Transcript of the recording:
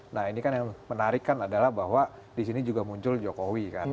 nah ini kan yang menarik kan adalah bahwa di sini juga muncul jokowi kan